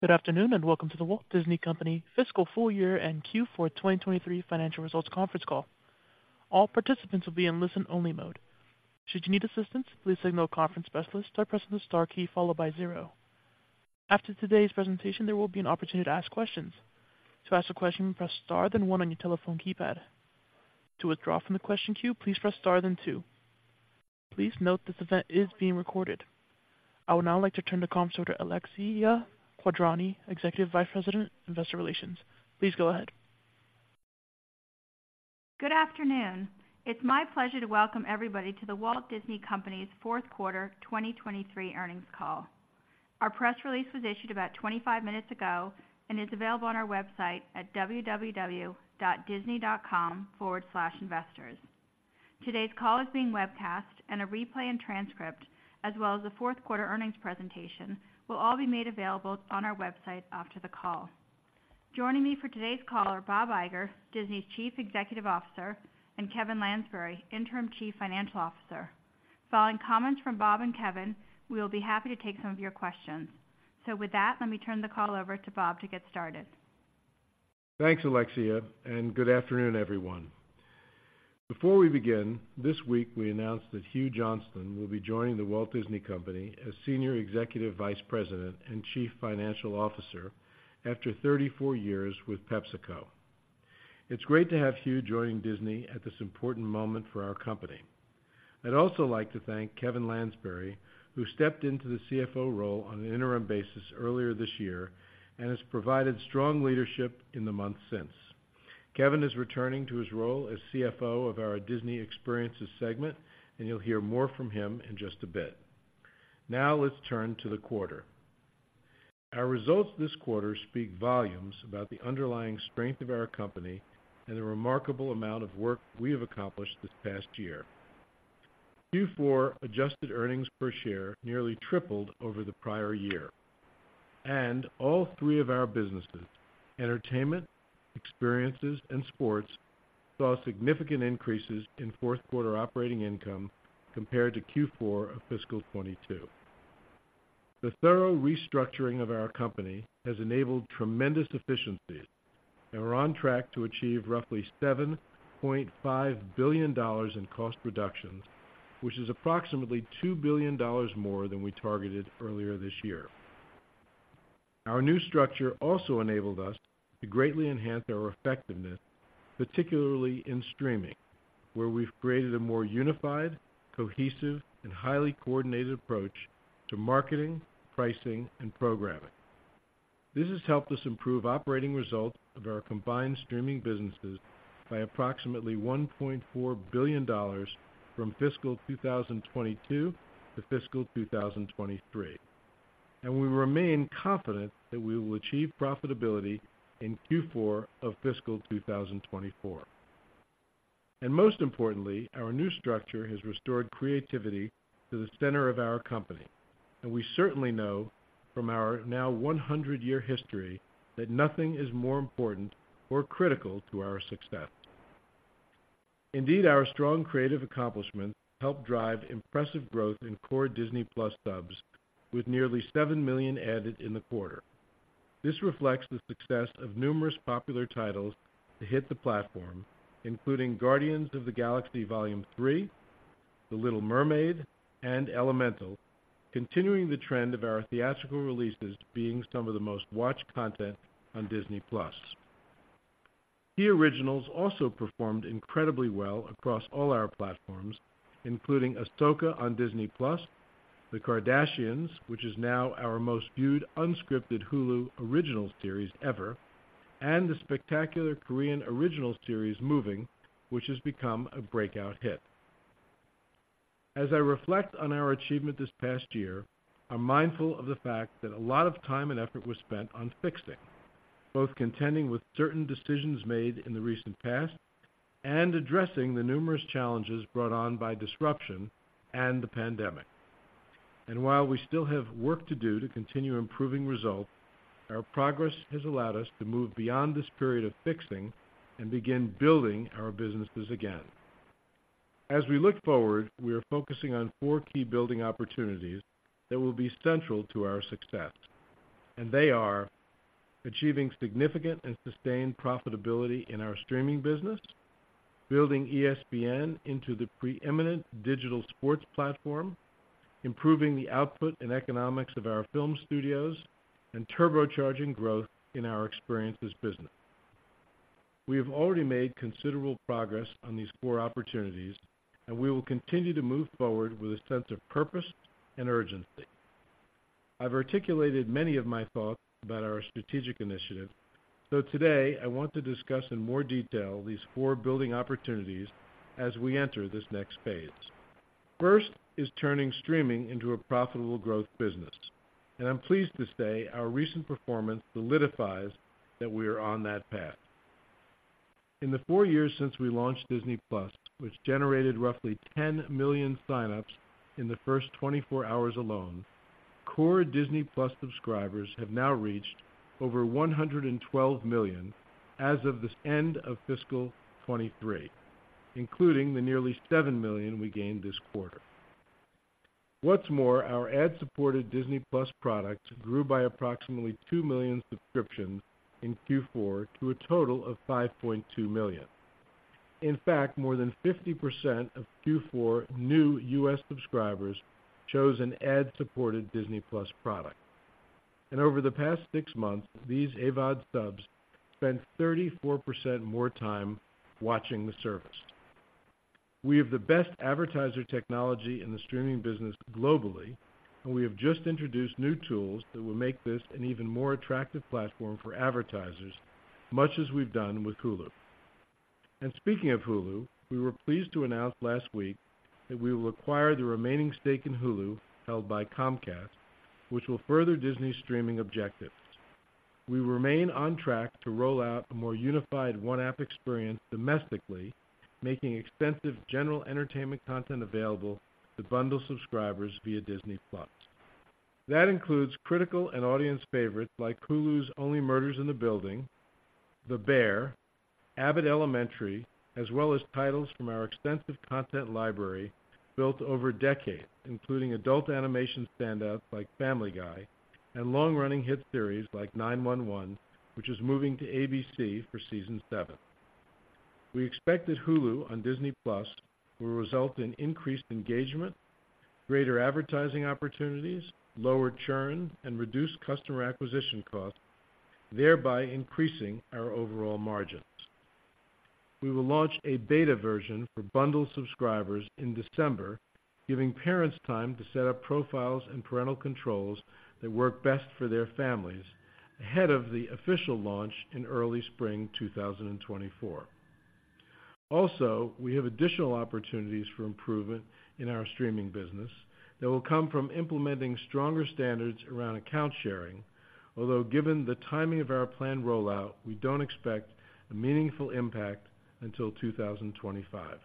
Good afternoon, and welcome to The Walt Disney Company fiscal full year and Q4 2023 financial results conference call. All participants will be in listen-only mode. Should you need assistance, please signal a conference specialist by pressing the star key followed by zero. After today's presentation, there will be an opportunity to ask questions. To ask a question, press Star, then one on your telephone keypad. To withdraw from the question queue, please press Star, then two. Please note this event is being recorded. I would now like to turn to our Alexia Quadrani, Executive Vice President, Investor Relations. Please go ahead. Good afternoon. It's my pleasure to welcome everybody to The Walt Disney Company's fourth quarter 2023 earnings call. Our press release was issued about 25 minutes ago and is available on our website at www.disney.com/investors. Today's call is being webcast, and a replay and transcript, as well as the fourth quarter earnings presentation, will all be made available on our website after the call. Joining me for today's call are Bob Iger, Disney's Chief Executive Officer, and Kevin Lansberry, Interim Chief Financial Officer. Following comments from Bob and Kevin, we will be happy to take some of your questions. With that, let me turn the call over to Bob to get started. Thanks, Alexia, and good afternoon, everyone. Before we begin, this week, we announced that Hugh Johnston will be joining The Walt Disney Company as Senior Executive Vice President and Chief Financial Officer after 34 years with PepsiCo. It's great to have Hugh joining Disney at this important moment for our company. I'd also like to thank Kevin Lansberry, who stepped into the CFO role on an interim basis earlier this year and has provided strong leadership in the months since. Kevin is returning to his role as CFO of our Disney Experiences segment, and you'll hear more from him in just a bit. Now, let's turn to the quarter. Our results this quarter speak volumes about the underlying strength of our company and the remarkable amount of work we have accomplished this past year. Q4 adjusted earnings per share nearly tripled over the prior year, and all three of our businesses, entertainment, experiences, and sports, saw significant increases in fourth quarter operating income compared to Q4 of fiscal 2022. The thorough restructuring of our company has enabled tremendous efficiencies, and we're on track to achieve roughly $7.5 billion in cost reductions, which is approximately $2 billion more than we targeted earlier this year. Our new structure also enabled us to greatly enhance our effectiveness, particularly in streaming, where we've created a more unified, cohesive, and highly coordinated approach to marketing, pricing, and programming. This has helped us improve operating results of our combined streaming businesses by approximately $1.4 billion from fiscal 2022 to fiscal 2023. We remain confident that we will achieve profitability in Q4 of fiscal 2024. Most importantly, our new structure has restored creativity to the center of our company, and we certainly know from our now 100-year history that nothing is more important or critical to our success. Indeed, our strong creative accomplishments help drive impressive growth in core Disney+ subs, with nearly 7 million added in the quarter. This reflects the success of numerous popular titles to hit the platform, including Guardians of the Galaxy Vol. 3, The Little Mermaid, and Elemental, continuing the trend of our theatrical releases being some of the most-watched content on Disney+. Key originals also performed incredibly well across all our platforms, including Ahsoka on Disney+, The Kardashians, which is now our most-viewed, unscripted Hulu original series ever, and the spectacular Korean original series, Moving, which has become a breakout hit. As I reflect on our achievement this past year, I'm mindful of the fact that a lot of time and effort was spent on fixing, both contending with certain decisions made in the recent past and addressing the numerous challenges brought on by disruption and the pandemic. While we still have work to do to continue improving results, our progress has allowed us to move beyond this period of fixing and begin building our businesses again. As we look forward, we are focusing on four key building opportunities that will be central to our success, and they are: achieving significant and sustained profitability in our streaming business, building ESPN into the preeminent digital sports platform, improving the output and economics of our film studios, and turbocharging growth in our experiences business. We have already made considerable progress on these four opportunities, and we will continue to move forward with a sense of purpose and urgency. I've articulated many of my thoughts about our strategic initiative, so today I want to discuss in more detail these four building opportunities as we enter this next phase. First is turning streaming into a profitable growth business, and I'm pleased to say our recent performance solidifies that we are on that path. In the four years since we launched Disney+, which generated roughly 10 million sign-ups in the first 24 hours alone, core Disney+ subscribers have now reached over 112 million as of this end of fiscal 2023, including the nearly 7 million we gained this quarter. What's more, our ad-supported Disney+ product grew by approximately 2 million subscriptions in Q4 to a total of 5.2 million. In fact, more than 50% of Q4 new U.S. subscribers chose an ad-supported Disney+ product. And over the past six months, these AVOD subs spent 34% more time watching the service. We have the best advertiser technology in the streaming business globally, and we have just introduced new tools that will make this an even more attractive platform for advertisers, much as we've done with Hulu. And speaking of Hulu, we were pleased to announce last week that we will acquire the remaining stake in Hulu, held by Comcast, which will further Disney's streaming objectives. We remain on track to roll out a more unified one-app experience domestically, making extensive general entertainment content available to bundle subscribers via Disney+. That includes critical and audience favorites like Hulu's Only Murders in the Building, The Bear, Abbott Elementary, as well as titles from our extensive content library built over decades, including adult animation standouts like Family Guy and long-running hit series like nine-one-one which is moving to ABC for Seasonseven. We expect that Hulu on Disney+ will result in increased engagement, greater advertising opportunities, lower churn, and reduced customer acquisition costs, thereby increasing our overall margins. We will launch a beta version for bundled subscribers in December, giving parents time to set up profiles and parental controls that work best for their families ahead of the official launch in early spring 2024. Also, we have additional opportunities for improvement in our streaming business that will come from implementing stronger standards around account sharing. Although given the timing of our planned rollout, we don't expect a meaningful impact until 2025.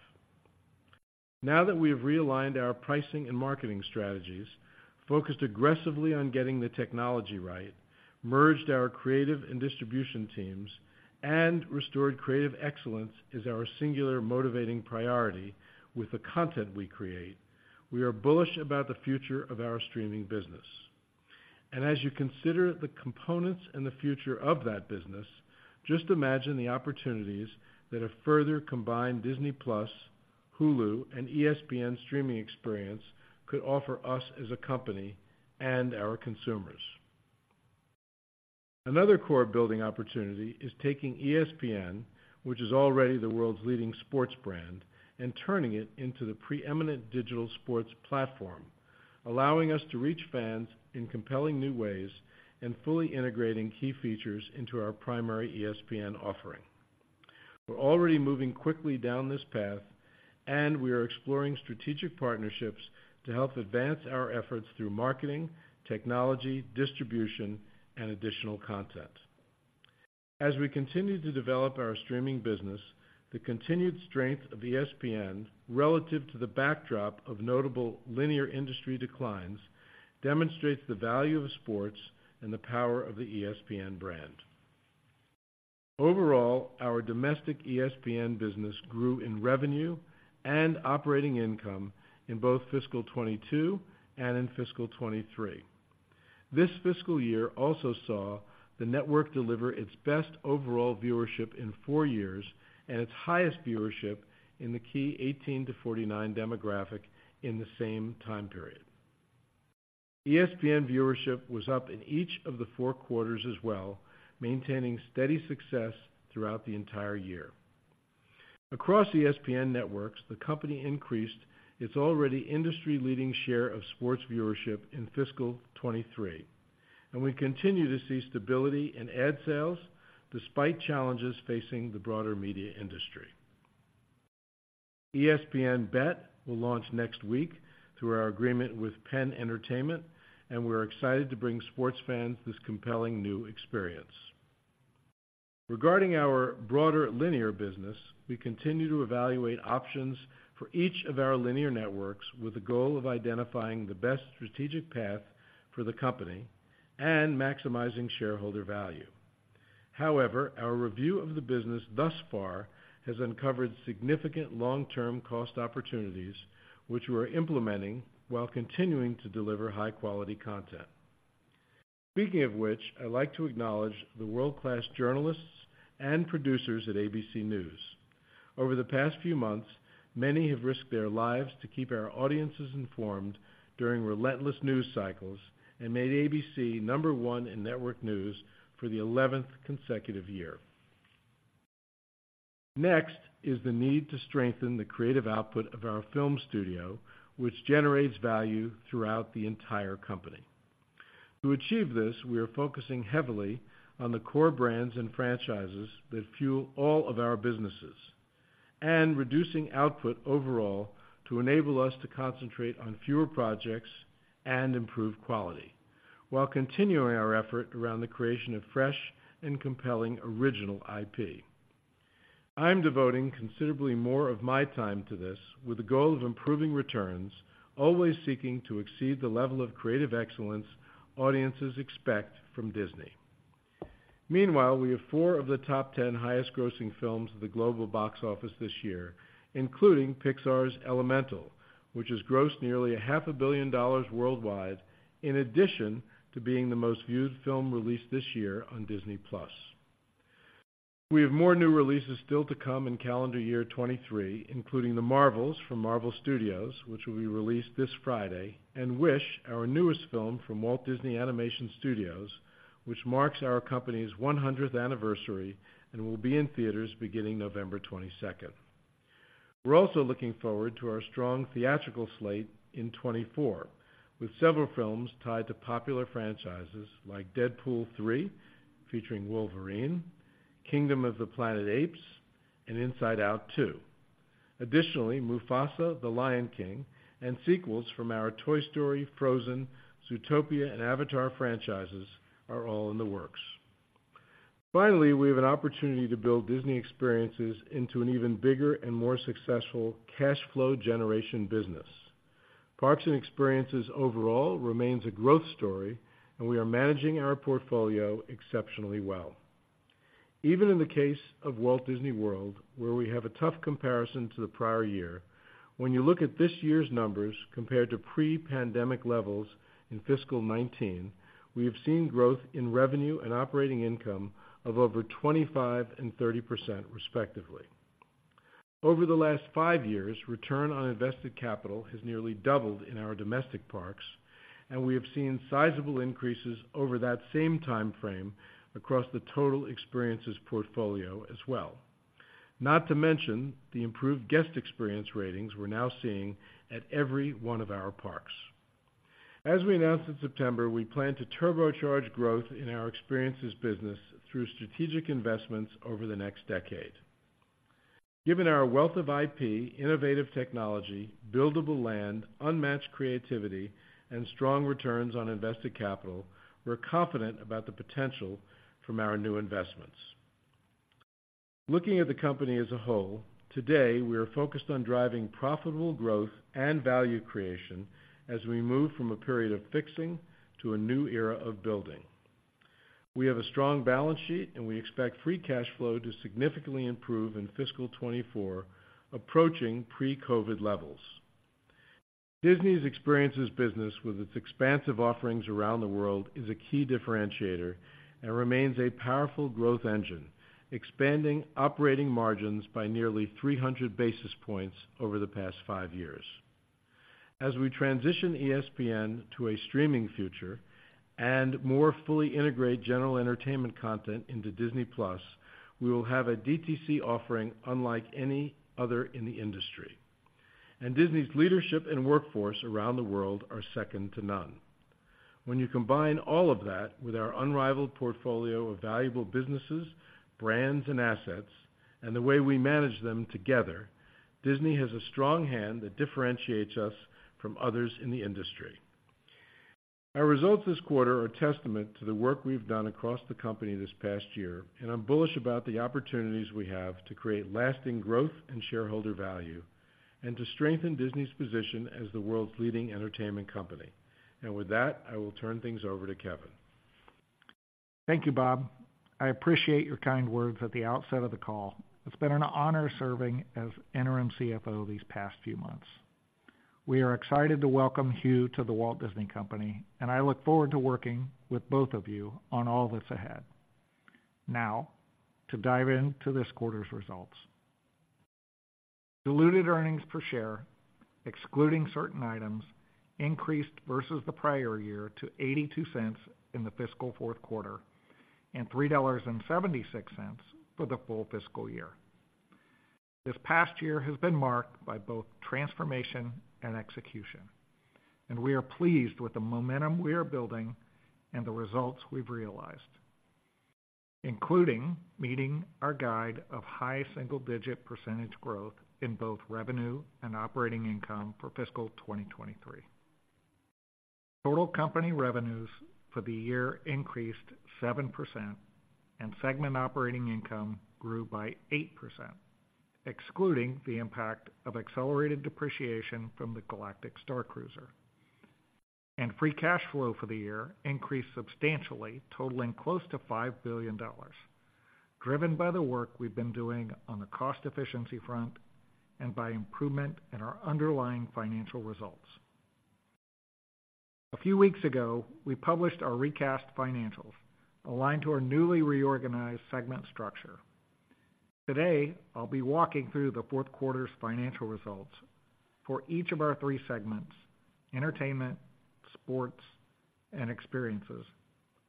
Now that we have realigned our pricing and marketing strategies, focused aggressively on getting the technology right, merged our creative and distribution teams, and restored creative excellence as our singular motivating priority with the content we create, we are bullish about the future of our streaming business. As you consider the components and the future of that business, just imagine the opportunities that a further combined Disney+, Hulu, and ESPN streaming experience could offer us as a company and our consumers. Another core building opportunity is taking ESPN, which is already the world's leading sports brand, and turning it into the preeminent digital sports platform, allowing us to reach fans in compelling new ways and fully integrating key features into our primary ESPN offering. We're already moving quickly down this path, and we are exploring strategic partnerships to help advance our efforts through marketing, technology, distribution, and additional content. As we continue to develop our streaming business, the continued strength of ESPN relative to the backdrop of notable linear industry declines demonstrates the value of sports and the power of the ESPN brand. Overall, our domestic ESPN business grew in revenue and operating income in both fiscal 2022 and in fiscal 2023. This fiscal year also saw the network deliver its best overall viewership in four years and its highest viewership in the key 18-49 demographic in the same time period. ESPN viewership was up in each of the four quarters as well, maintaining steady success throughout the entire year. Across ESPN networks, the company increased its already industry-leading share of sports viewership in fiscal 2023, and we continue to see stability in ad sales despite challenges facing the broader media industry. ESPN Bet will launch next week through our agreement with Penn Entertainment, and we're excited to bring sports fans this compelling new experience. Regarding our broader linear business, we continue to evaluate options for each of our linear networks with the goal of identifying the best strategic path for the company and maximizing shareholder value. However, our review of the business thus far has uncovered significant long-term cost opportunities, which we're implementing while continuing to deliver high-quality content. Speaking of which, I'd like to acknowledge the world-class journalists and producers at ABC News. Over the past few months, many have risked their lives to keep our audiences informed during relentless news cycles and made ABC number one in network news for the eleventh consecutive year. Next is the need to strengthen the creative output of our film studio, which generates value throughout the entire company. To achieve this, we are focusing heavily on the core brands and franchises that fuel all of our businesses and reducing output overall to enable us to concentrate on fewer projects and improve quality, while continuing our effort around the creation of fresh and compelling original IP. I am devoting considerably more of my time to this with the goal of improving returns, always seeking to exceed the level of creative excellence audiences expect from Disney…. Meanwhile, we have four of the top 10 highest-grossing films at the global box office this year, including Pixar's Elemental, which has grossed nearly $500 million worldwide, in addition to being the most viewed film released this year on Disney+. We have more new releases still to come in calendar year 2023, including The Marvels from Marvel Studios, which will be released this Friday, and Wish, our newest film from Walt Disney Animation Studios, which marks our company's one hundredth anniversary and will be in theaters beginning November twenty-second. We're also looking forward to our strong theatrical slate in 2024, with several films tied to popular franchises like Deadpool three, featuring Wolverine, Kingdom of the Planet of the Apes, and Inside Out two. Additionally, Mufasa: The Lion King, and sequels from our Toy Story, Frozen, Zootopia, and Avatar franchises are all in the works. Finally, we have an opportunity to build Disney Experiences into an even bigger and more successful cash flow generation business. Parks and Experiences overall remains a growth story, and we are managing our portfolio exceptionally well. Even in the case of Walt Disney World, where we have a tough comparison to the prior year, when you look at this year's numbers compared to pre-pandemic levels in fiscal 2019, we have seen growth in revenue and operating income of over 25% and 30%, respectively. Over the last five years, return on invested capital has nearly doubled in our domestic parks, and we have seen sizable increases over that same time frame across the total experiences portfolio as well. Not to mention, the improved guest experience ratings we're now seeing at every one of our parks. As we announced in September, we plan to turbocharge growth in our experiences business through strategic investments over the next decade. Given our wealth of IP, innovative technology, buildable land, unmatched creativity, and strong returns on invested capital, we're confident about the potential from our new investments. Looking at the company as a whole, today, we are focused on driving profitable growth and value creation as we move from a period of fixing to a new era of building. We have a strong balance sheet, and we expect free cash flow to significantly improve in fiscal 2024, approaching pre-COVID levels. Disney's Experiences business, with its expansive offerings around the world, is a key differentiator and remains a powerful growth engine, expanding operating margins by nearly 300 basis points over the past five years. As we transition ESPN to a streaming future and more fully integrate general entertainment content into Disney+, we will have a DTC offering unlike any other in the industry. Disney's leadership and workforce around the world are second to none. When you combine all of that with our unrivaled portfolio of valuable businesses, brands, and assets, and the way we manage them together, Disney has a strong hand that differentiates us from others in the industry. Our results this quarter are a testament to the work we've done across the company this past year, and I'm bullish about the opportunities we have to create lasting growth and shareholder value, and to strengthen Disney's position as the world's leading entertainment company. With that, I will turn things over to Kevin. Thank you, Bob. I appreciate your kind words at the outset of the call. It's been an honor serving as Interim CFO these past few months. We are excited to welcome Hugh to The Walt Disney Company, and I look forward to working with both of you on all this ahead. Now, to dive into this quarter's results. Diluted earnings per share, excluding certain items, increased versus the prior year to $0.82 in the fiscal fourth quarter, and $3.76 for the full fiscal year. This past year has been marked by both transformation and execution, and we are pleased with the momentum we are building and the results we've realized, including meeting our guide of high single-digit percentage growth in both revenue and operating income for fiscal 2023. Total company revenues for the year increased 7%, and segment operating income grew by 8%, excluding the impact of accelerated depreciation from the Galactic Starcruiser. Free cash flow for the year increased substantially, totaling close to $5 billion, driven by the work we've been doing on the cost efficiency front and by improvement in our underlying financial results. A few weeks ago, we published our recast financials aligned to our newly reorganized segment structure. Today, I'll be walking through the fourth quarter's financial results for each of our three segments: entertainment, sports, and experiences,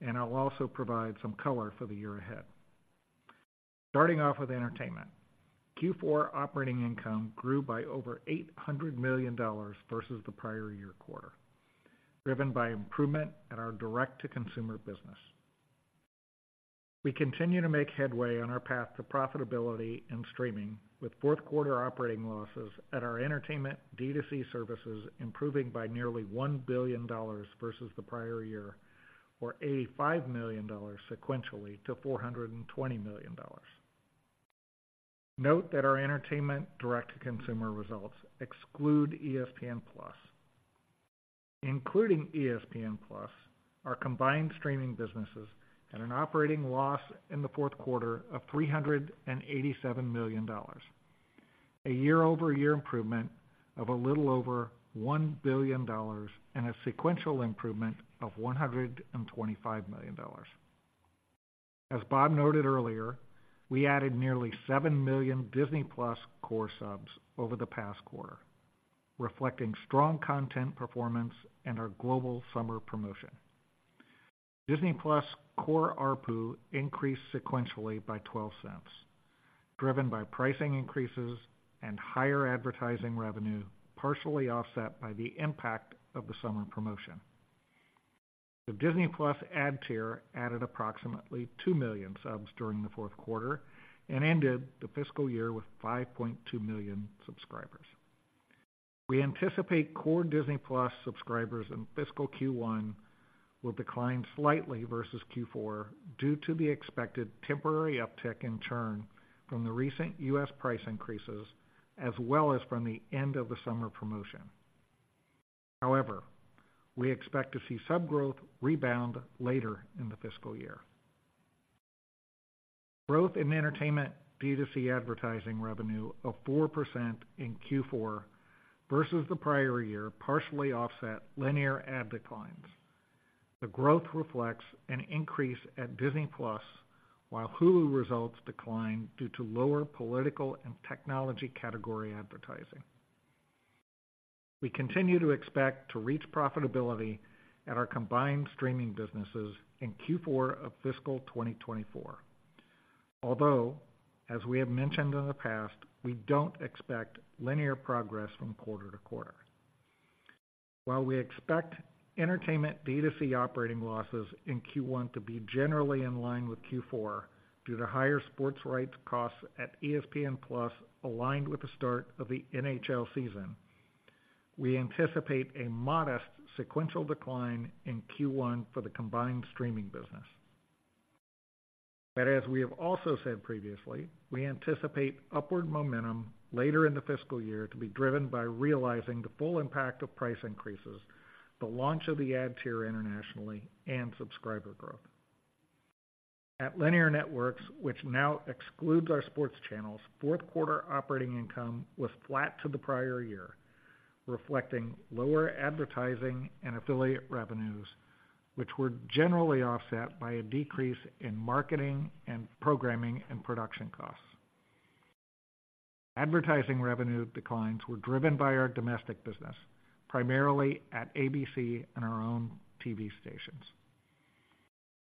and I'll also provide some color for the year ahead. Starting off with entertainment. Q4 operating income grew by over $800 million versus the prior year quarter, driven by improvement at our direct-to-consumer business. We continue to make headway on our path to profitability and streaming, with fourth-quarter operating losses at our entertainment D2C services improving by nearly $1 billion versus the prior year, or $85 million sequentially to $420 million. Note that our entertainment direct-to-consumer results exclude ESPN+. Including ESPN+, our combined streaming businesses had an operating loss in the fourth quarter of $387 million, a year-over-year improvement of a little over $1 billion and a sequential improvement of $125 million. As Bob noted earlier, we added nearly 7 million Disney+ core subs over the past quarter, reflecting strong content performance and our global summer promotion. Disney+ core ARPU increased sequentially by $0.12, driven by pricing increases and higher advertising revenue, partially offset by the impact of the summer promotion. The Disney+ ad tier added approximately 2 million subs during the fourth quarter and ended the fiscal year with 5.2 million subscribers. We anticipate core Disney+ subscribers in fiscal Q1 will decline slightly versus Q4 due to the expected temporary uptick in churn from the recent U.S. price increases, as well as from the end of the summer promotion. However, we expect to see sub growth rebound later in the fiscal year. Growth in entertainment D2C advertising revenue of 4% in Q4 versus the prior year, partially offset linear ad declines. The growth reflects an increase at Disney+, while Hulu results declined due to lower political and technology category advertising. We continue to expect to reach profitability at our combined streaming businesses in Q4 of fiscal 2024, although as we have mentioned in the past, we don't expect linear progress from quarter to quarter. While we expect entertainment D2C operating losses in Q1 to be generally in line with Q4 due to higher sports rights costs at ESPN+ aligned with the start of the NHL season, we anticipate a modest sequential decline in Q1 for the combined streaming business. But as we have also said previously, we anticipate upward momentum later in the fiscal year to be driven by realizing the full impact of price increases, the launch of the ad tier internationally, and subscriber growth. At Linear Networks, which now excludes our sports channels, fourth quarter operating income was flat to the prior year, reflecting lower advertising and affiliate revenues, which were generally offset by a decrease in marketing and programming and production costs. Advertising revenue declines were driven by our domestic business, primarily at ABC and our own TV stations.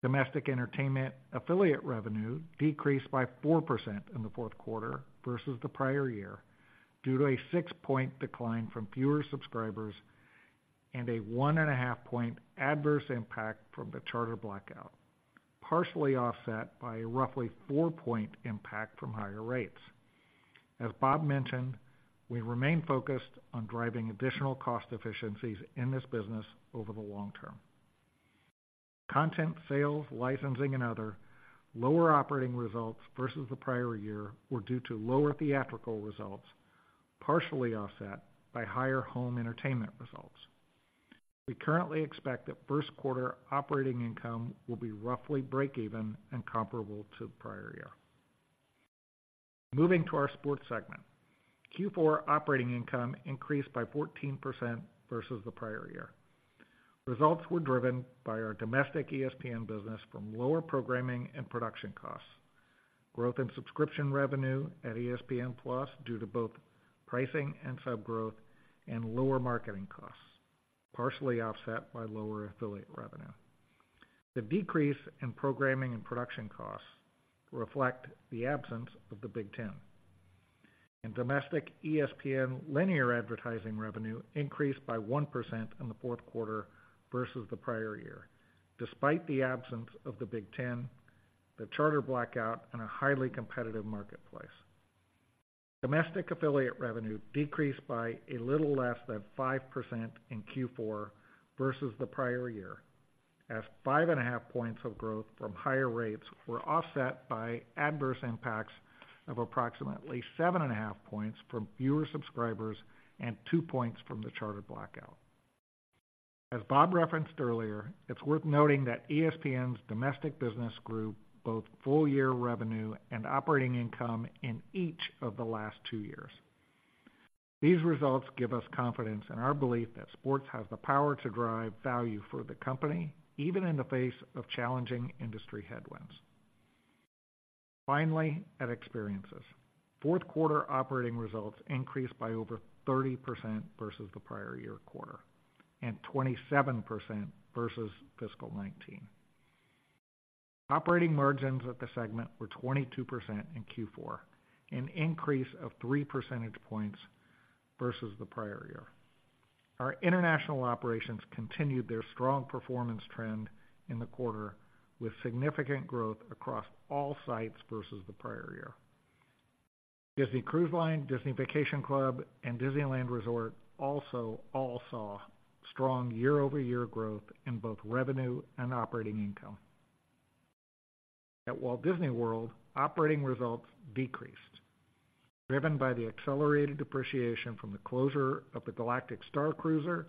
Domestic entertainment affiliate revenue decreased by 4% in the fourth quarter versus the prior year, due to a six-point decline from fewer subscribers and a 1.5-point adverse impact from the Charter blackout, partially offset by a roughlyfour-point impact from higher rates. As Bob mentioned, we remain focused on driving additional cost efficiencies in this business over the long term. Content, sales, licensing, and other lower operating results versus the prior year were due to lower theatrical results, partially offset by higher home entertainment results. We currently expect that first quarter operating income will be roughly break even and comparable to the prior year. Moving to our sports segment. Q4 operating income increased by 14% versus the prior year. Results were driven by our domestic ESPN business from lower programming and production costs, growth in subscription revenue at ESPN+ due to both pricing and sub growth and lower marketing costs, partially offset by lower affiliate revenue. The decrease in programming and production costs reflect the absence of the Big Ten. Domestic ESPN linear advertising revenue increased by 1% in the fourth quarter versus the prior year, despite the absence of the Big Ten, the charter blackout, and a highly competitive marketplace. Domestic affiliate revenue decreased by a little less than 5% in Q4 versus the prior year, as 5.5 points of growth from higher rates were offset by adverse impacts of approximately 7.5 points from fewer subscribers and two points from the charter blackout. As Bob referenced earlier, it's worth noting that ESPN's domestic business grew both full-year revenue and operating income in each of the last two years. These results give us confidence in our belief that sports has the power to drive value for the company, even in the face of challenging industry headwinds. Finally, at Experiences. Fourth quarter operating results increased by over 30% versus the prior year quarter and 27% versus fiscal 2019. Operating margins at the segment were 22% in Q4, an increase of three percentage points versus the prior year. Our international operations continued their strong performance trend in the quarter, with significant growth across all sites versus the prior year. Disney Cruise Line, Disney Vacation Club, and Disneyland Resort also all saw strong year-over-year growth in both revenue and operating income. At Walt Disney World, operating results decreased, driven by the accelerated depreciation from the closure of the Galactic Starcruiser,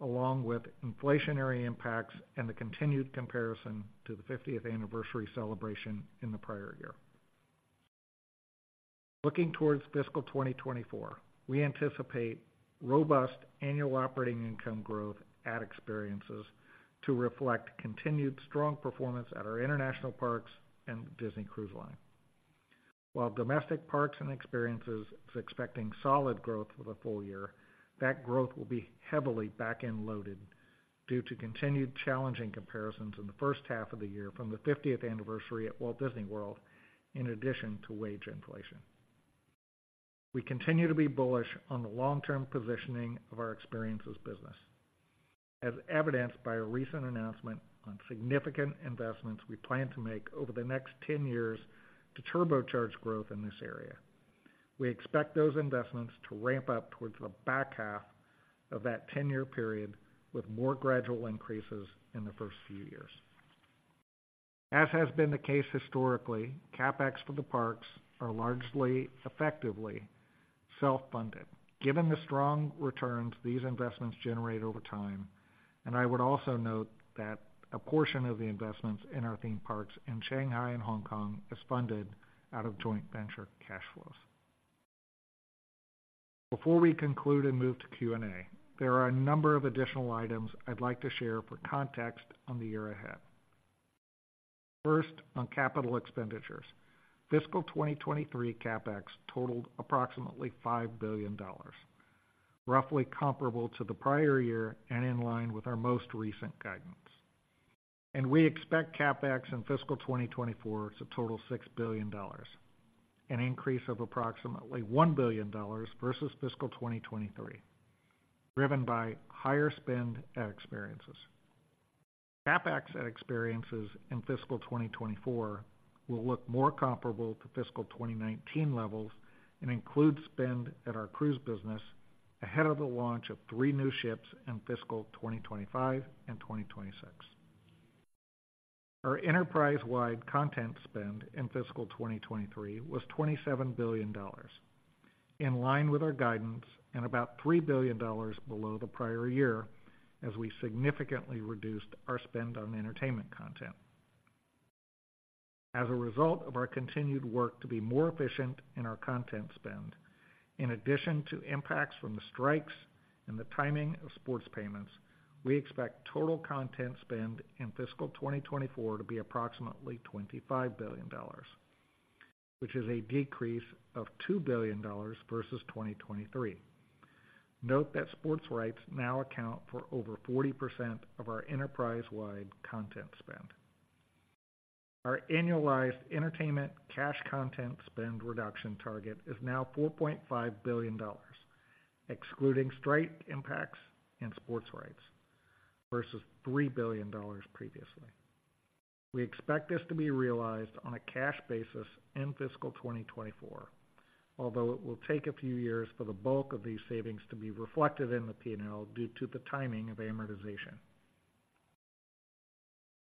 along with inflationary impacts and the continued comparison to the 15th anniversary celebration in the prior year. Looking towards fiscal 2024, we anticipate robust annual operating income growth at experiences to reflect continued strong performance at our international parks and Disney Cruise Line. While domestic parks and experiences is expecting solid growth for the full year, that growth will be heavily back-end loaded due to continued challenging comparisons in the first half of the year from the 15th anniversary at Walt Disney World, in addition to wage inflation. We continue to be bullish on the long-term positioning of our experiences business, as evidenced by a recent announcement on significant investments we plan to make over the next 10 years to turbocharge growth in this area. We expect those investments to ramp up towards the back half of that 10-year period, with more gradual increases in the first few years. As has been the case historically, CapEx for the parks are largely effectively self-funded, given the strong returns these investments generate over time, and I would also note that a portion of the investments in our theme parks in Shanghai and Hong Kong is funded out of joint venture cash flows. Before we conclude and move to Q&A, there are a number of additional items I'd like to share for context on the year ahead. First, on capital expenditures. Fiscal 2023 CapEx totaled approximately $5 billion, roughly comparable to the prior year and in line with our most recent guidance. We expect CapEx in Fiscal 2024 to total $6 billion, an increase of approximately $1 billion versus Fiscal 2023, driven by higher spend at experiences. CapEx at experiences in Fiscal 2024 will look more comparable to Fiscal 2019 levels and include spend at our cruise business ahead of the launch of three new ships in Fiscal 2025 and 2026. Our enterprise-wide content spend in Fiscal 2023 was $27 billion, in line with our guidance and about $3 billion below the prior year, as we significantly reduced our spend on entertainment content. As a result of our continued work to be more efficient in our content spend, in addition to impacts from the strikes and the timing of sports payments, we expect total content spend in fiscal 2024 to be approximately $25 billion, which is a decrease of $2 billion versus 2023. Note that sports rights now account for over 40% of our enterprise-wide content spend. Our annualized entertainment cash content spend reduction target is now $4.5 billion, excluding strike impacts and sports rights, versus $3 billion previously. We expect this to be realized on a cash basis in fiscal 2024, although it will take a few years for the bulk of these savings to be reflected in the P&L due to the timing of amortization.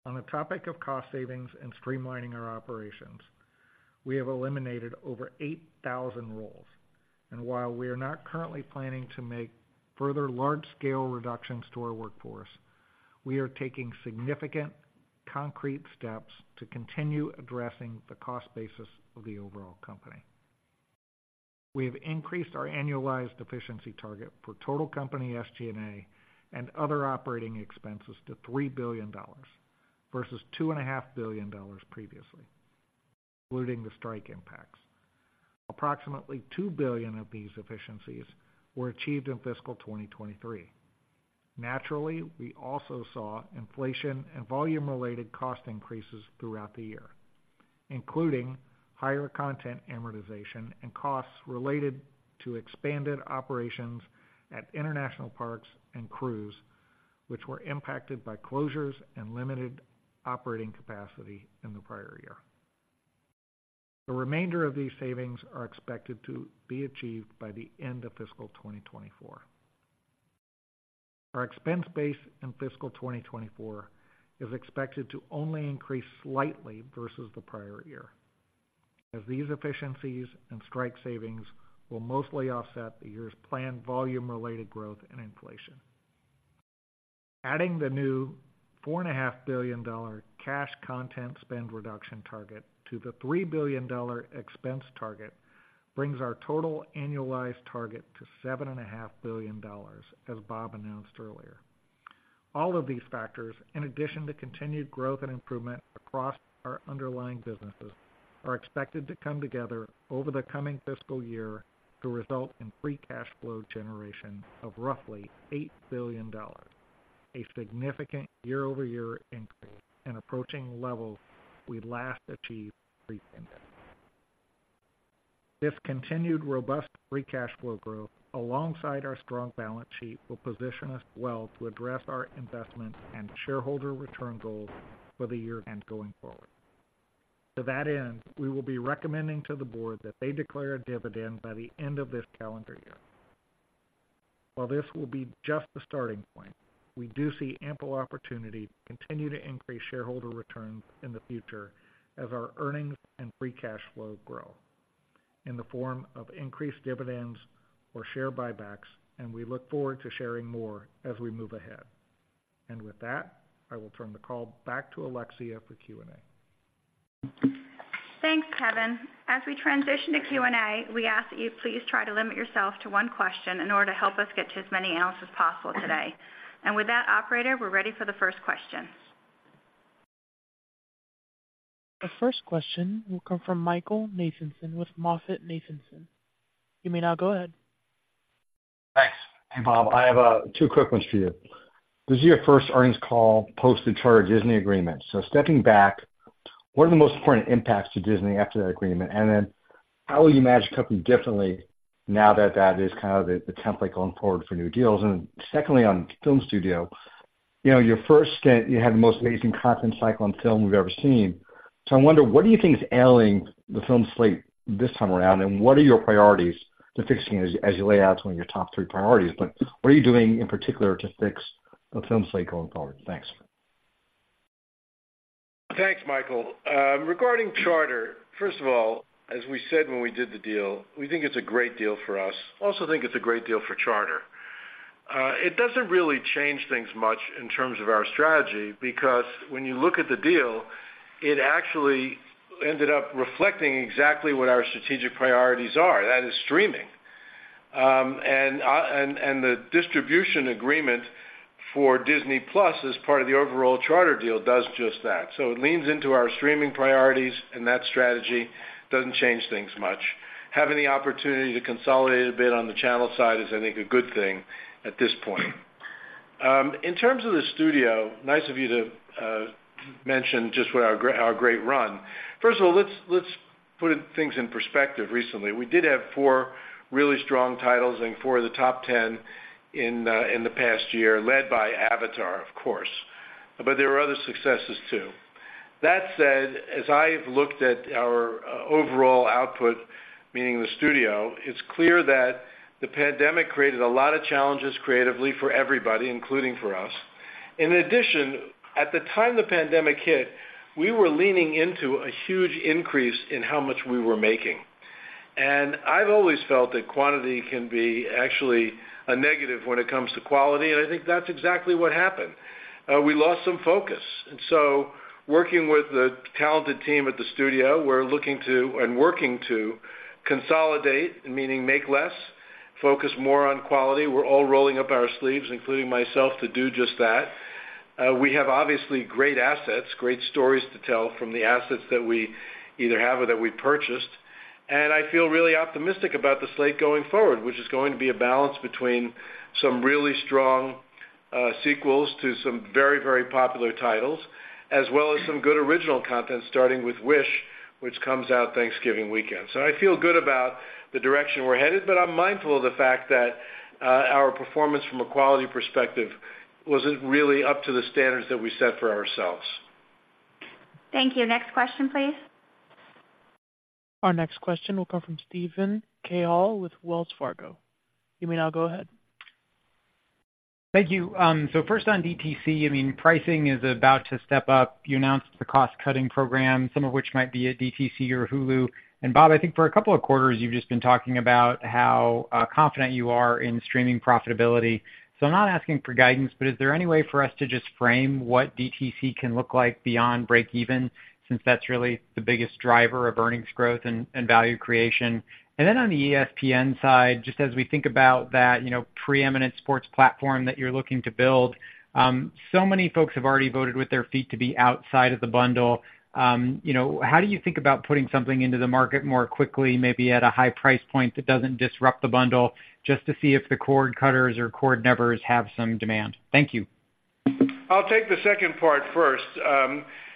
On the topic of cost savings and streamlining our operations, we have eliminated over 8,000 roles, and while we are not currently planning to make further large-scale reductions to our workforce, we are taking significant concrete steps to continue addressing the cost basis of the overall company. We have increased our annualized efficiency target for total company SG&A and other operating expenses to $3 billion versus $2.5 billion previously, including the strike impacts. Approximately $2 billion of these efficiencies were achieved in fiscal 2023. Naturally, we also saw inflation and volume-related cost increases throughout the year, including higher content amortization and costs related to expanded operations at international parks and cruise, which were impacted by closures and limited operating capacity in the prior year. The remainder of these savings are expected to be achieved by the end of fiscal 2024. Our expense base in fiscal 2024 is expected to only increase slightly versus the prior year, as these efficiencies and strike savings will mostly offset the year's planned volume-related growth and inflation. Adding the new $4.5 billion cash content spend reduction target to the $3 billion expense target brings our total annualized target to $7.5 billion, as Bob announced earlier. All of these factors, in addition to continued growth and improvement across our underlying businesses, are expected to come together over the coming fiscal year to result in free cash flow generation of roughly $8 billion, a significant year-over-year increase and approaching levels we last achieved pre-pandemic. This continued robust free cash flow growth, alongside our strong balance sheet, will position us well to address our investment and shareholder return goals for the year and going forward. To that end, we will be recommending to the board that they declare a dividend by the end of this calendar year. While this will be just the starting point, we do see ample opportunity to continue to increase shareholder returns in the future as our earnings and Free Cash Flow grow in the form of increased dividends or share buybacks, and we look forward to sharing more as we move ahead. With that, I will turn the call back to Alexia for Q&A. Thanks, Kevin. As we transition to Q&A, we ask that you please try to limit yourself to one question in order to help us get to as many analysts as possible today. With that, operator, we're ready for the first question. The first question will come from Michael Nathanson with MoffettNathanson. You may now go ahead. Thanks. Hey, Bob, I have two quick ones for you. This is your first earnings call post the Charter-Disney agreement. So stepping back, what are the most important impacts to Disney after that agreement? And then how will you manage the company differently now that that is kind of the template going forward for new deals? And secondly, on film studio, you know, your first stint, you had the most amazing content cycle on film we've ever seen. So I wonder, what do you think is ailing the film slate this time around? And what are your priorities to fixing as you lay out some of your top three priorities, but what are you doing in particular to fix the film slate going forward? Thanks. Thanks, Michael. Regarding Charter, first of all, as we said when we did the deal, we think it's a great deal for us. Also think it's a great deal for Charter. It doesn't really change things much in terms of our strategy, because when you look at the deal, it actually ended up reflecting exactly what our strategic priorities are, that is streaming. And the distribution agreement for Disney+ as part of the overall Charter deal does just that. So it leans into our streaming priorities, and that strategy doesn't change things much. Having the opportunity to consolidate a bit on the channel side is, I think, a good thing at this point. In terms of the studio, nice of you to mention just what our great run. First of all, let's put things in perspective recently. We did have four really strong titles and four of the top 10 in the past year, led by Avatar, of course, but there were other successes too. That said, as I've looked at our overall output, meaning the studio, it's clear that the pandemic created a lot of challenges creatively for everybody, including for us. In addition, at the time the pandemic hit, we were leaning into a huge increase in how much we were making. And I've always felt that quantity can be actually a negative when it comes to quality, and I think that's exactly what happened. We lost some focus, and so working with the talented team at the studio, we're looking to and working to consolidate, meaning make less, focus more on quality. We're all rolling up our sleeves, including myself, to do just that. We have obviously great assets, great stories to tell from the assets that we either have or that we've purchased, and I feel really optimistic about the slate going forward, which is going to be a balance between some really strong sequels to some very, very popular titles, as well as some good original content, starting with Wish, which comes out Thanksgiving weekend. So I feel good about the direction we're headed, but I'm mindful of the fact that our performance from a quality perspective wasn't really up to the standards that we set for ourselves. Thank you. Next question, please. Our next question will come from Steven Cahall with Wells Fargo. You may now go ahead. Thank you. So first on DTC, I mean, pricing is about to step up. You announced the cost-cutting program, some of which might be at DTC or Hulu. And Bob, I think for a couple of quarters, you've just been talking about how, confident you are in streaming profitability. So I'm not asking for guidance, but is there any way for us to just frame what DTC can look like beyond break even, since that's really the biggest driver of earnings growth and, and value creation? And then on the ESPN side, just as we think about that, you know, preeminent sports platform that you're looking to build, so many folks have already voted with their feet to be outside of the bundle. You know, how do you think about putting something into the market more quickly, maybe at a high price point that doesn't disrupt the bundle, just to see if the cord cutters or cord nevers have some demand? Thank you. I'll take the second part first.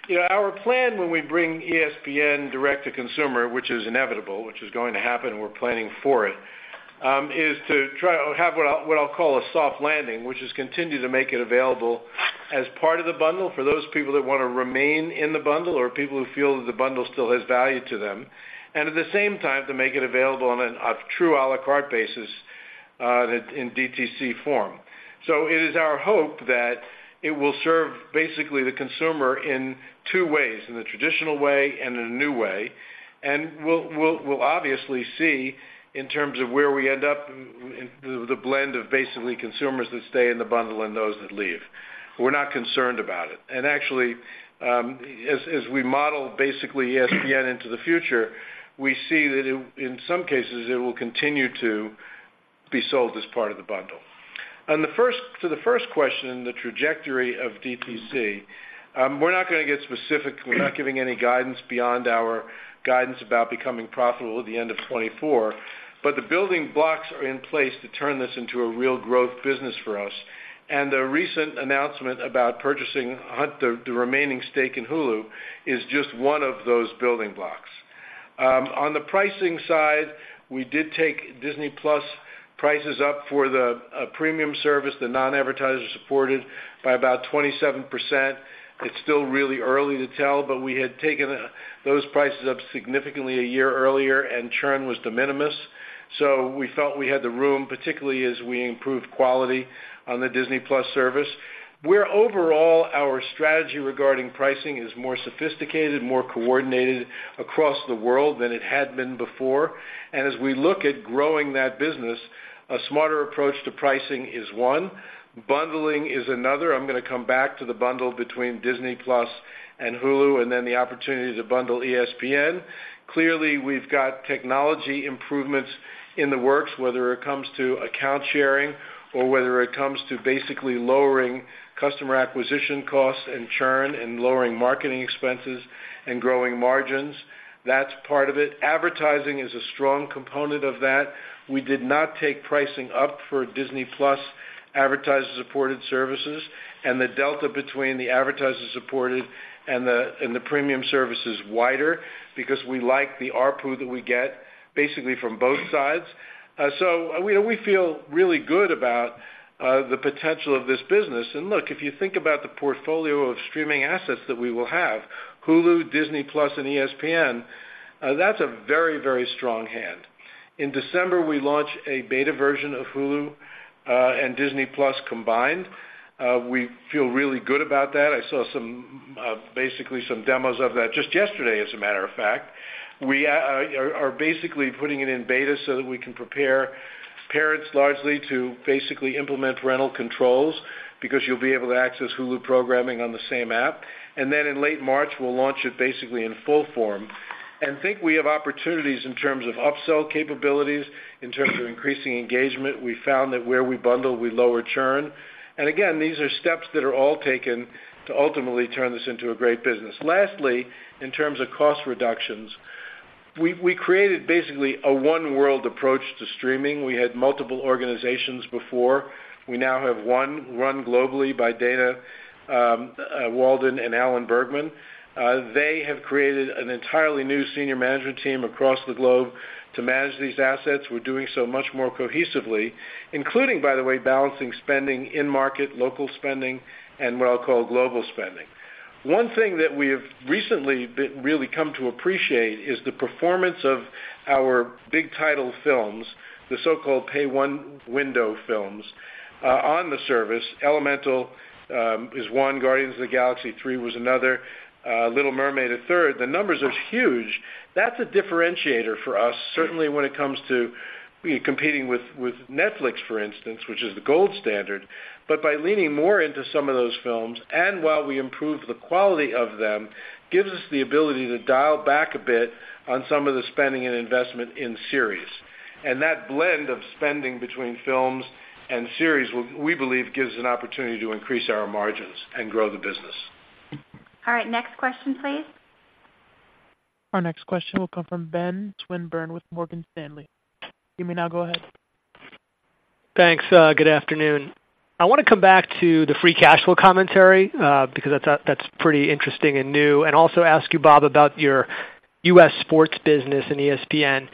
You know, our plan when we bring ESPN direct to consumer, which is inevitable, which is going to happen, we're planning for it, is to try to have what I'll, what I'll call a soft landing, which is continue to make it available as part of the bundle for those people that want to remain in the bundle or people who feel that the bundle still has value to them, and at the same time, to make it available on a, a true à la carte basis, in DTC form. So it is our hope that it will serve basically the consumer in two ways: in the traditional way and in a new way. We'll obviously see in terms of where we end up in the blend of basically consumers that stay in the bundle and those that leave. We're not concerned about it. And actually, as we model basically ESPN into the future, we see that it in some cases, it will continue to be sold as part of the bundle. On the first question, the trajectory of DTC, we're not going to get specific. We're not giving any guidance beyond our guidance about becoming profitable at the end of 2024, but the building blocks are in place to turn this into a real growth business for us. And the recent announcement about purchasing the remaining stake in Hulu is just one of those building blocks. On the pricing side, we did take Disney+ prices up for the premium service, the non-advertiser supported, by about 27%. It's still really early to tell, but we had taken those prices up significantly a year earlier and churn was de minimis. So we felt we had the room, particularly as we improved quality on the Disney+ service, where overall, our strategy regarding pricing is more sophisticated, more coordinated across the world than it had been before. And as we look at growing that business, a smarter approach to pricing is one, bundling is another. I'm going to come back to the bundle between Disney+ and Hulu, and then the opportunity to bundle ESPN. Clearly, we've got technology improvements in the works, whether it comes to account sharing or whether it comes to basically lowering customer acquisition costs and churn and lowering marketing expenses and growing margins. That's part of it. Advertising is a strong component of that. We did not take pricing up for Disney+ advertiser-supported services, and the delta between the advertiser-supported and the premium service is wider because we like the ARPU that we get, basically from both sides. So we feel really good about the potential of this business. And look, if you think about the portfolio of streaming assets that we will have, Hulu, Disney+, and ESPN, that's a very, very strong hand. In December, we launched a beta version of Hulu and Disney+ combined. We feel really good about that. I saw some basically some demos of that just yesterday, as a matter of fact. We are basically putting it in beta so that we can prepare parents largely to basically implement parental controls, because you'll be able to access Hulu programming on the same app. Then in late March, we'll launch it basically in full form. And think we have opportunities in terms of upsell capabilities, in terms of increasing engagement. We found that where we bundle, we lower churn. Again, these are steps that are all taken to ultimately turn this into a great business. Lastly, in terms of cost reductions, we created basically a one-world approach to streaming. We had multiple organizations before. We now have one run globally by Dana Walden and Alan Bergman. They have created an entirely new senior management team across the globe to manage these assets. We're doing so much more cohesively, including, by the way, balancing spending in-market, local spending, and what I'll call global spending. One thing that we have recently been really come to appreciate is the performance of our big title films, the so-called Pay One Window films, on the service. Elemental is one, Guardians of the Galaxy three was another, Little Mermaid, a third. The numbers are huge. That's a differentiator for us, certainly when it comes to competing with Netflix, for instance, which is the gold standard. But by leaning more into some of those films, and while we improve the quality of them, gives us the ability to dial back a bit on some of the spending and investment in series. And that blend of spending between films and series, we believe, gives an opportunity to increase our margins and grow the business. All right, next question, please. Our next question will come from Ben Swinburne with Morgan Stanley. You may now go ahead. Thanks. Good afternoon. I want to come back to the free cash flow commentary, because that's, that's pretty interesting and new, and also ask you, Bob, about your US sports business and ESPN.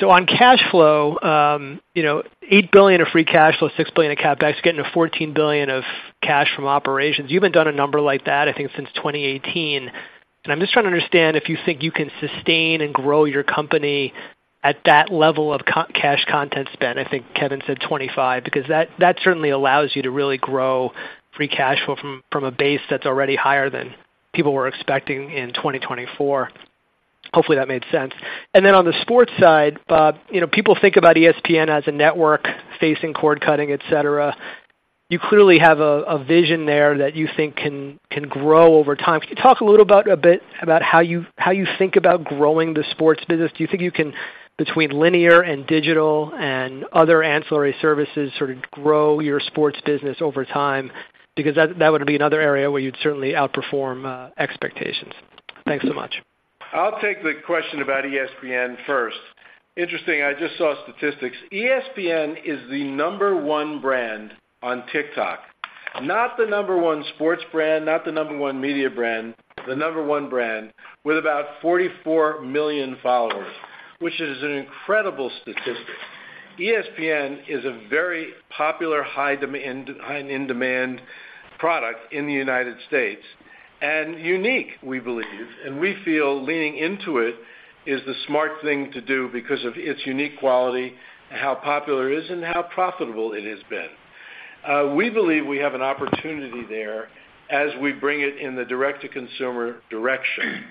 So on cash flow, you know, $8 billion of free cash flow, $6 billion in CapEx, getting to $14 billion of cash from operations. You haven't done a number like that, I think, since 2018. And I'm just trying to understand if you think you can sustain and grow your company at that level of cash content spend. I think Kevin said 25, because that, that certainly allows you to really grow free cash flow from, from a base that's already higher than people were expecting in 2024. Hopefully, that made sense. And then on the sports side, Bob, you know, people think about ESPN as a network facing cord cutting, et cetera. You clearly have a vision there that you think can grow over time. Can you talk a little about how you think about growing the sports business? Do you think you can, between linear and digital and other ancillary services, sort of grow your sports business over time? Because that would be another area where you'd certainly outperform expectations. Thanks so much. I'll take the question about ESPN first. Interesting, I just saw statistics. ESPN is the number one brand on TikTok, not the number one sports brand, not the number one media brand, the number one brand with about 44 million followers, which is an incredible statistic. ESPN is a very popular, high demand, and in-demand product in the United States, and unique, we believe. And we feel leaning into it is the smart thing to do because of its unique quality, how popular it is, and how profitable it has been. We believe we have an opportunity there as we bring it in the direct-to-consumer direction,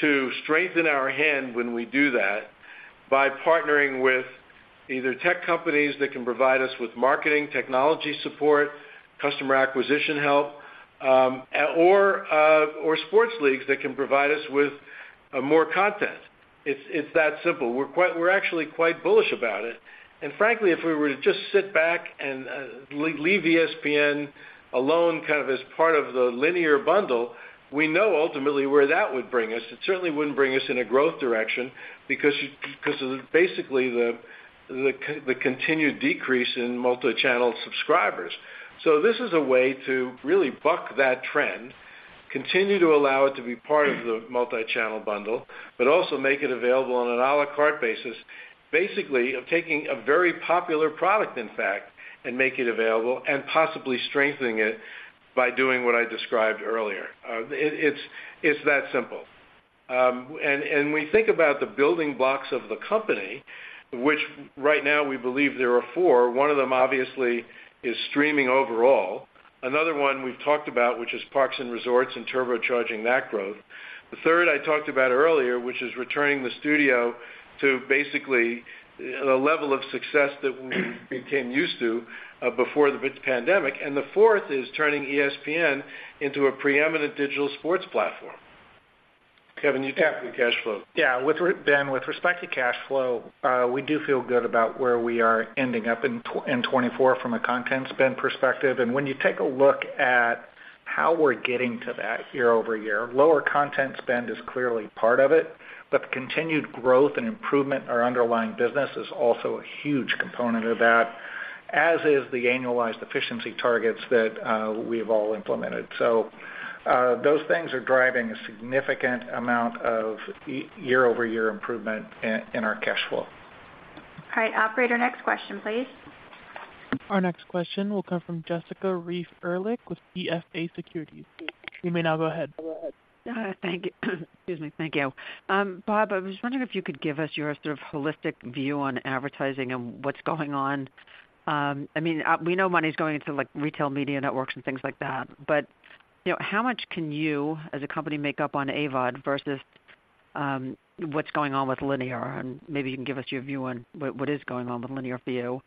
to strengthen our hand when we do that by partnering with either tech companies that can provide us with marketing, technology support, customer acquisition help, or, or sports leagues that can provide us with, more content. It's, it's that simple. We're actually quite bullish about it. And frankly, if we were to just sit back and leave ESPN alone, kind of as part of the linear bundle, we know ultimately where that would bring us. It certainly wouldn't bring us in a growth direction because of basically the continued decrease in multichannel subscribers. So this is a way to really buck that trend, continue to allow it to be part of the multichannel bundle, but also make it available on an à la carte basis, basically of taking a very popular product, in fact, and make it available and possibly strengthening it by doing what I described earlier. It's that simple. And we think about the building blocks of the company, which right now we believe there are four. One of them, obviously, is streaming overall. Another one we've talked about, which is parks and resorts and turbocharging that growth. The third I talked about earlier, which is returning the studio to basically, a level of success that we became used to before the big pandemic. The fourth is turning ESPN into a preeminent digital sports platform. Kevin, you talk to cash flow. Yeah, Ben, with respect to cash flow, we do feel good about where we are ending up in 2024 from a content spend perspective. And when you take a look at how we're getting to that year-over-year, lower content spend is clearly part of it, but the continued growth and improvement in our underlying business is also a huge component of that, as is the annualized efficiency targets that we've all implemented. So, those things are driving a significant amount of year-over-year improvement in our cash flow. All right, operator, next question, please. Our next question will come from Jessica Reif Ehrlich with BofA Securities. You may now go ahead. Thank you. Excuse me. Thank you. Bob, I was wondering if you could give us your sort of holistic view on advertising and what's going on. I mean, we know money's going into, like, retail media networks and things like that, but, you know, how much can you, as a company, make up on AVOD versus, what's going on with linear? And maybe you can give us your view on what is going on with linear for you.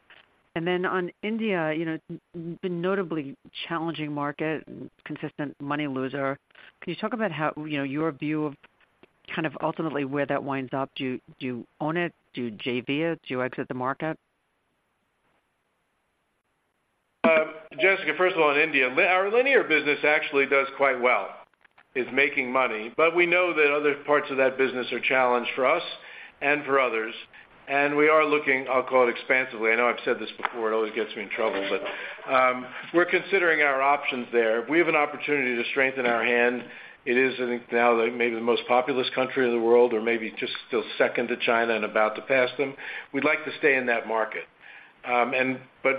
And then on India, you know, notably challenging market, consistent money loser. Can you talk about how, you know, your view of kind of ultimately where that winds up? Do you own it? Do you JV it? Do you exit the market? Jessica, first of all, in India, our linear business actually does quite well. It's making money, but we know that other parts of that business are challenged for us and for others, and we are looking, I'll call it expansively. I know I've said this before, it always gets me in trouble, but, we're considering our options there. We have an opportunity to strengthen our hand. It is, I think, now maybe the most populous country in the world, or maybe just still second to China and about to pass them. We'd like to stay in that market.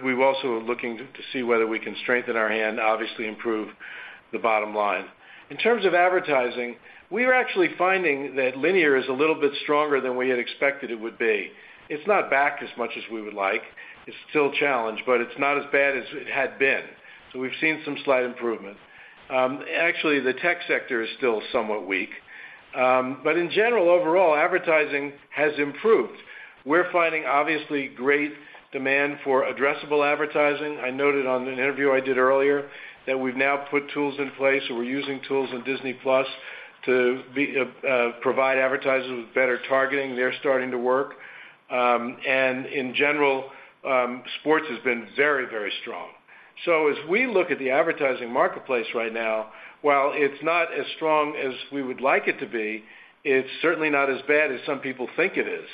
We're also looking to see whether we can strengthen our hand, obviously improve the bottom line. In terms of advertising, we are actually finding that linear is a little bit stronger than we had expected it would be. It's not back as much as we would like. It's still a challenge, but it's not as bad as it had been. So we've seen some slight improvement. Actually, the tech sector is still somewhat weak. But in general, overall, advertising has improved. We're finding obviously great demand for addressable advertising. I noted on an interview I did earlier, that we've now put tools in place, so we're using tools on Disney+ to provide advertisers with better targeting. They're starting to work. And in general, sports has been very, very strong. So as we look at the advertising marketplace right now, while it's not as strong as we would like it to be, it's certainly not as bad as some people think it is,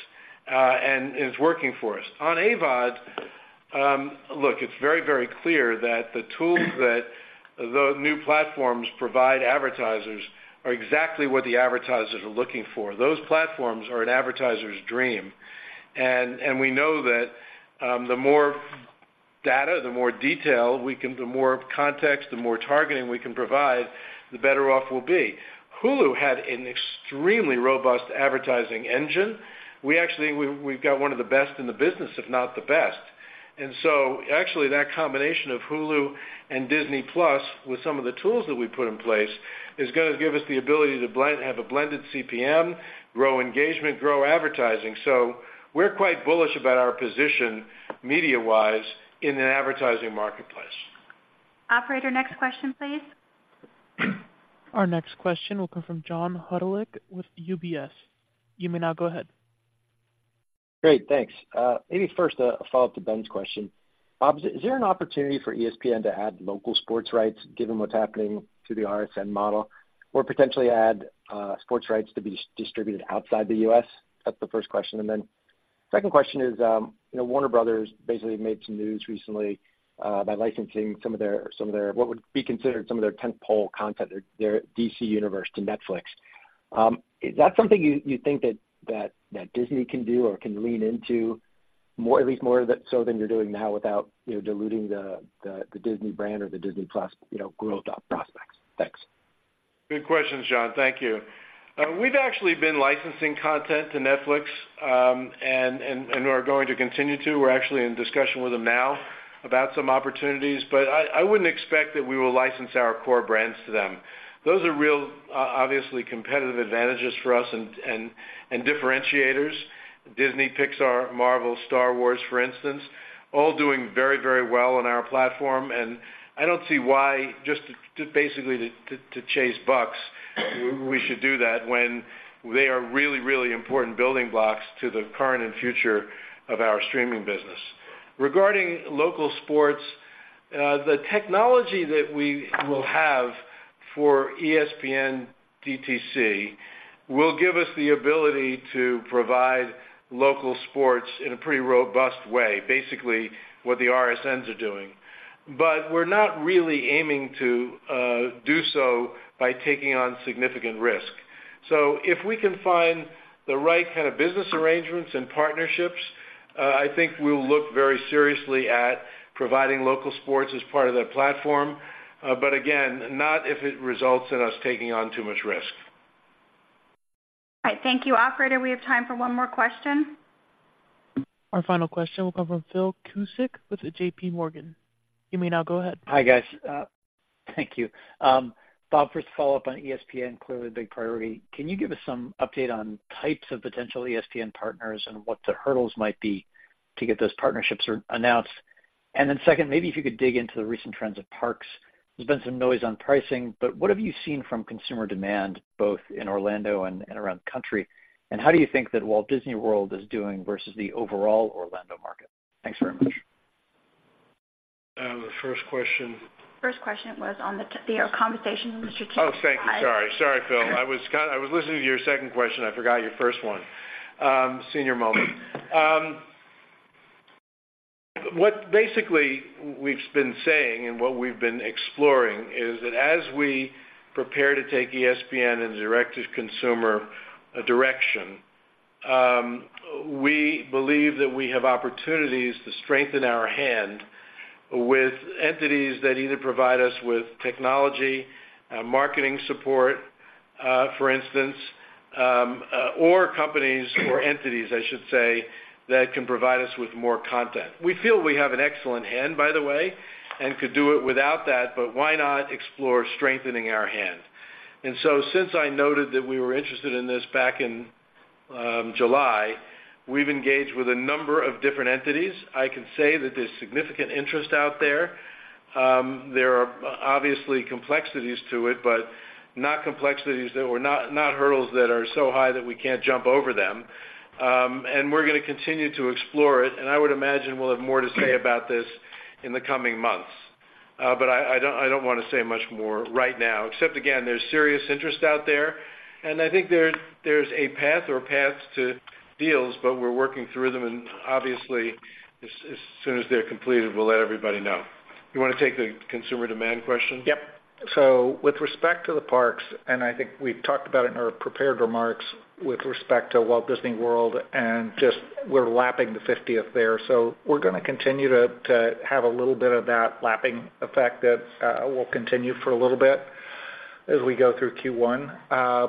and it's working for us. On AVOD, look, it's very, very clear that the tools that the new platforms provide advertisers are exactly what the advertisers are looking for. Those platforms are an advertiser's dream, and, and we know that, the more data, the more detail we can, the more context, the more targeting we can provide, the better off we'll be. Hulu had an extremely robust advertising engine. We actually- we, we've got one of the best in the business, if not the best. And so actually, that combination of Hulu and Disney+, with some of the tools that we put in place, is gonna give us the ability to blend-- have a blended CPM, grow engagement, grow advertising. So we're quite bullish about our position, media-wise, in an advertising marketplace. Operator, next question, please. Our next question will come from John Hodulik with UBS. You may now go ahead. Great, thanks. Maybe first, a follow-up to Ben's question. Bob, is there an opportunity for ESPN to add local sports rights, given what's happening to the RSN model, or potentially add sports rights to be distributed outside the U.S.? That's the first question. Then second question is, you know, Warner Bros. basically made some news recently by licensing some of their, some of their, what would be considered some of their tent-pole content, their DC Universe, to Netflix. Is that something you think that Disney can do or can lean into more, at least more so than you're doing now, without, you know, diluting the Disney brand or the Disney+ growth prospects? Thanks. Good questions, John. Thank you. We've actually been licensing content to Netflix, and are going to continue to. We're actually in discussion with them now about some opportunities, but I wouldn't expect that we will license our core brands to them. Those are real, obviously, competitive advantages for us and differentiators. Disney, Pixar, Marvel, Star Wars, for instance, all doing very, very well on our platform, and I don't see why, just to chase bucks, we should do that when they are really, really important building blocks to the current and future of our streaming business. Regarding local sports, the technology that we will have for ESPN DTC will give us the ability to provide local sports in a pretty robust way, basically what the RSNs are doing. But we're not really aiming to do so by taking on significant risk. So if we can find the right kind of business arrangements and partnerships, I think we'll look very seriously at providing local sports as part of that platform, but again, not if it results in us taking on too much risk. All right. Thank you. Operator, we have time for one more question. Our final question will come from Phil Cusick with J.P. Morgan. You may now go ahead. Hi, guys. Thank you. Bob, first follow-up on ESPN, clearly a big priority. Can you give us some update on types of potential ESPN partners and what the hurdles might be to get those partnerships or announced? And then second, maybe if you could dig into the recent trends of parks. There's been some noise on pricing, but what have you seen from consumer demand, both in Orlando and around the country? And how do you think that Walt Disney World is doing versus the overall Orlando market? Thanks very much. The first question- First question was on the conversation with Mr. T- Oh, thank you. Sorry. Sorry, Phil. I was listening to your second question. I forgot your first one. Senior moment. What basically we've been saying and what we've been exploring is that as we prepare to take ESPN in a direct-to-consumer direction, we believe that we have opportunities to strengthen our hand with entities that either provide us with technology, marketing support, for instance, or companies or entities, I should say, that can provide us with more content. We feel we have an excellent hand, by the way, and could do it without that, but why not explore strengthening our hand? And so since I noted that we were interested in this back in July, we've engaged with a number of different entities. I can say that there's significant interest out there. There are obviously complexities to it, but not hurdles that are so high that we can't jump over them. And we're gonna continue to explore it, and I would imagine we'll have more to say about this in the coming months. But I don't wanna say much more right now, except, again, there's serious interest out there, and I think there's a path or paths to deals, but we're working through them, and obviously, as soon as they're completed, we'll let everybody know. You wanna take the consumer demand question? Yep. So with respect to the parks, and I think we've talked about it in our prepared remarks with respect to Walt Disney World, and just we're lapping the fiftieth there. So we're gonna continue to have a little bit of that lapping effect that will continue for a little bit as we go through Q1.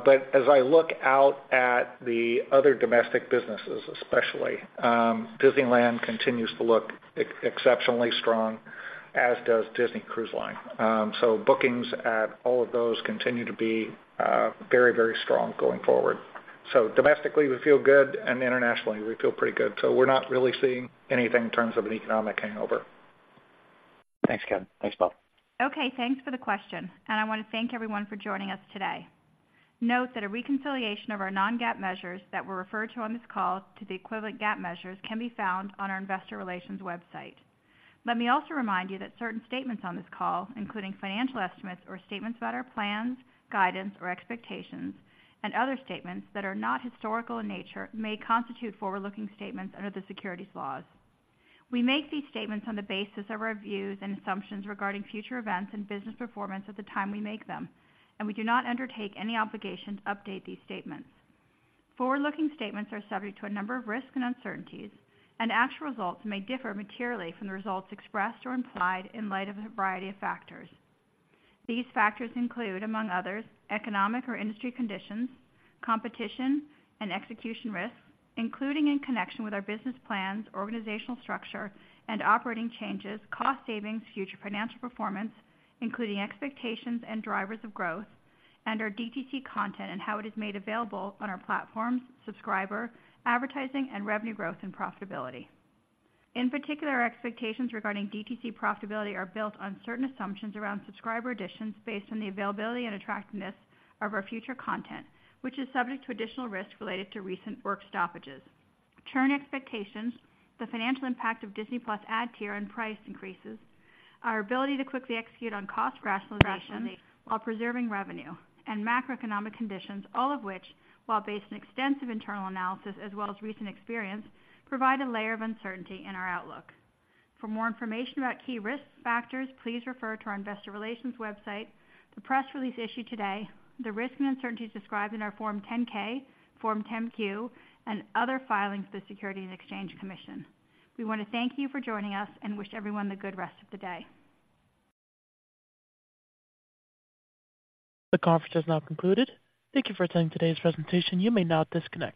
But as I look out at the other domestic businesses, especially, Disneyland continues to look exceptionally strong, as does Disney Cruise Line. So bookings at all of those continue to be very, very strong going forward. So domestically, we feel good, and internationally, we feel pretty good. So we're not really seeing anything in terms of an economic hangover. Thanks, Ken. Thanks, Bob. Okay, thanks for the question, and I wanna thank everyone for joining us today. Note that a reconciliation of our non-GAAP measures that were referred to on this call to the equivalent GAAP measures can be found on our investor relations website. Let me also remind you that certain statements on this call, including financial estimates or statements about our plans, guidance, or expectations, and other statements that are not historical in nature, may constitute forward-looking statements under the securities laws. We make these statements on the basis of our views and assumptions regarding future events and business performance at the time we make them, and we do not undertake any obligation to update these statements. Forward-looking statements are subject to a number of risks and uncertainties, and actual results may differ materially from the results expressed or implied in light of a variety of factors. These factors include, among others, economic or industry conditions, competition, and execution risks, including in connection with our business plans, organizational structure, and operating changes, cost savings, future financial performance, including expectations and drivers of growth, and our DTC content and how it is made available on our platforms, subscriber, advertising, and revenue growth and profitability. In particular, our expectations regarding DTC profitability are built on certain assumptions around subscriber additions based on the availability and attractiveness of our future content, which is subject to additional risks related to recent work stoppages. Churn expectations, the financial impact of Disney+ ad tier and price increases, our ability to quickly execute on cost rationalization while preserving revenue and macroeconomic conditions, all of which, while based on extensive internal analysis as well as recent experience, provide a layer of uncertainty in our outlook. For more information about key risk factors, please refer to our investor relations website, the press release issued today, the risks and uncertainties described in our Form 10-K, Form 10-Q, and other filings with the Securities and Exchange Commission. We want to thank you for joining us and wish everyone a good rest of the day. The conference has now concluded. Thank you for attending today's presentation. You may now disconnect.